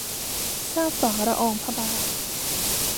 ทราบฝ่าละอองพระบาท